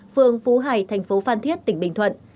phường phú hải thành phố phan thiết tỉnh bình thuận